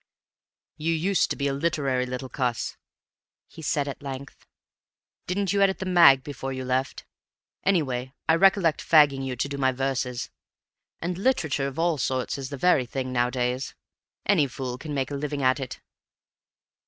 "You used to be a literary little cuss," he said at length; "didn't you edit the mag. before you left? Anyway I recollect fagging you to do my verses; and literature of all sorts is the very thing nowadays; any fool can make a living at it."